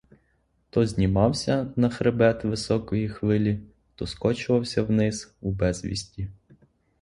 То знімався на хребет високої хвилі, то скочувався вниз у безвісті.